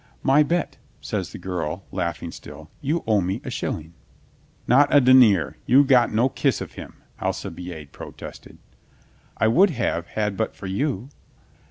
"My bet," says the girl, laughing still, "you owe me a shilling." "Not a denier ! You got no kiss of him," Alcibiade protested. "I would have had but for you."